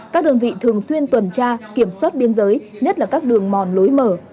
các đơn vị thường xuyên tuần tra kiểm soát biên giới nhất là các đường mòn lối mở